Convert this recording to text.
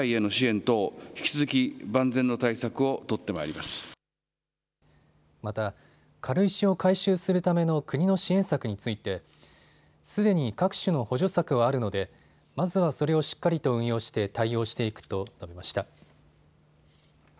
また軽石を回収するための国の支援策についてすでに各種の補助策はあるのでまずはそれをしっかりと運用して対応していくと述べました。